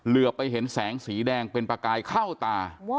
เหลือไปเห็นแสงสีแดงเป็นประกายเข้าตา